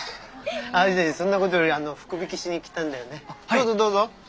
どうぞどうぞ。